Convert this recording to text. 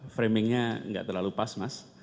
framingnya nggak terlalu pas mas